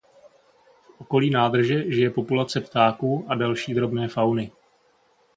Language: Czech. V okolí nádrže žije populace ptáků a další drobné fauny.